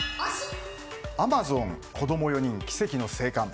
アマゾン子供４人奇跡の生還。